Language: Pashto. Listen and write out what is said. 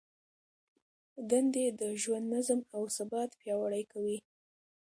دندې د ژوند نظم او ثبات پیاوړی کوي.